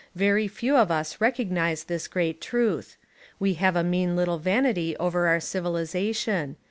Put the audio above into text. Very few of us recognise this great truth. We have a mean little vanity over our civilisation.